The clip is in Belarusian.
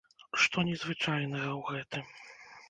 Што незвычайнага ў гэтым.